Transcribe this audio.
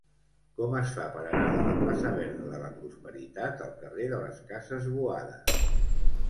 Com es fa per anar de la plaça Verda de la Prosperitat al carrer de les Cases Boada?